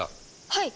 はい！